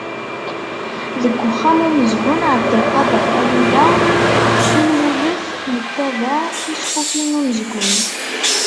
Deg Uxxam n umezgun Ɛebdelkader Allula i nwulef nettabaɛ ticeqqufin n umezgun.